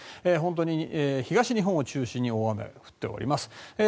東日本を中心に大雨が降っています。